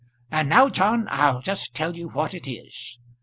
"And now, John, I'll just tell you what it is.